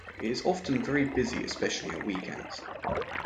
It is often very busy especially at weekends.